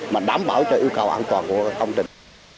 mà đảm bảo cho yêu cầu an toàn của công trình